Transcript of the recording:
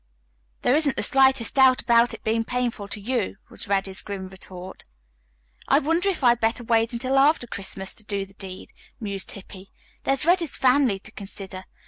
"There isn't the slightest doubt about it being painful to you," was Reddy's grim retort. "I wonder if I had better wait until after Christmas to do the deed," mused Hippy. "There's Reddy's family to consider.